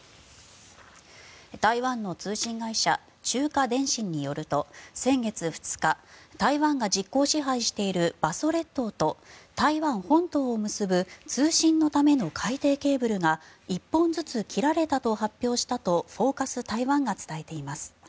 台湾の通信会社中華電信によると先月２日台湾が実効支配している馬祖列島と台湾本島を結ぶ通信のための海底ケーブルが１本ずつ切られたと発表したとフォーカス台湾が伝えています。